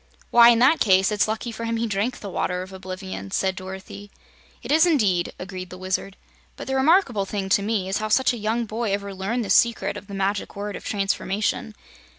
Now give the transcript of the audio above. "Why, in that case, it's lucky for him he drank the Water of Oblivion," said Dorothy. "It is indeed," agreed the Wizard. "But the remarkable thing, to me, is how such a young boy ever learned the secret of the Magic Word of Transformation.